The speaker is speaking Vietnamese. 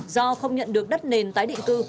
do không nhận được đất nền tái định cư